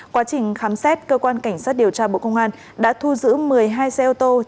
quá trình khám xét cơ quan cảnh sát điều tra bộ công an đã thu giữ một mươi hai xe ô tô